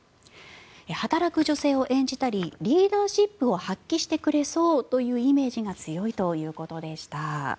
働く女性を演じたりリーダーシップを発揮してくれそうというイメージが強いということでした。